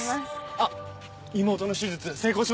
あっ妹の手術成功しました！